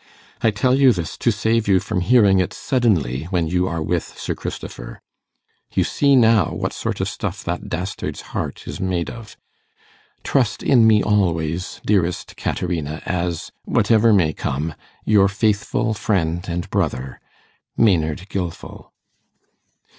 I tell you this, to save you from hearing it suddenly when you are with Sir Christopher. You see now what sort of stuff that dastard's heart is made of. Trust in me always, dearest Caterina, as whatever may come your faithful friend and brother, 'MAYNARD GILFIL.